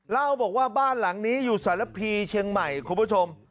เล่าบอกว่าบ้านหลังนี้อยู่สารพีเชียงใหม่คุณผู้ชม